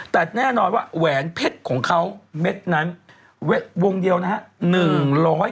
แต่แน่นอนว่าแหวนเพชรของเขาเม็ดนั้นวงเดียวนะฮะ